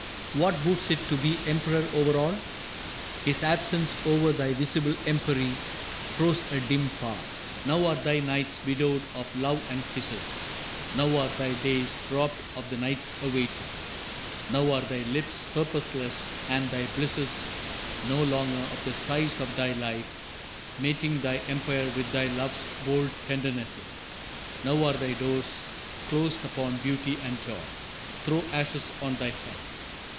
What boots it to be emperor over all? His absence o'er thy visible empery Throws a dim pall. Now are thy nights widowed of love and kisses, Now are thy days robbed of the night's awaiting, Now are thy lips purposeless and thy blisses No longer of the size of thy life, mating Thy empire with thy love's bold tendernesses. Now are thy doors closed upon beauty and joy. Throw ashes on thy head!